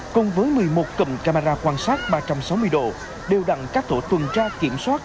cùng với một mươi một cầm camera quan sát ba trăm sáu mươi độ đều đặn các tổ tuần tra kiểm soát